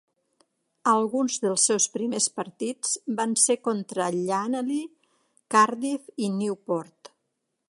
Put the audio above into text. Alguns dels seus primers partits van ser contra Llanelli, Cardiff i Newport.